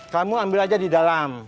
kamu ambil aja di dalam